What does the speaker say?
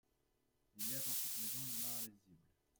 Il y a dans cette maison une main invisible !…